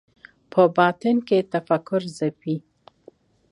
په باطن کې تفکر ځپي